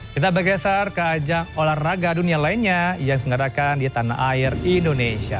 kita bergeser ke ajang olahraga dunia lainnya yang disenggarakan di tanah air indonesia